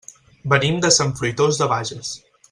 Venim de Sant Fruitós de Bages.